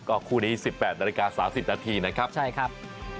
ก็คู่นี้สิบแปดนาฬิกาสามสิบนาทีนะครับใช่ครับ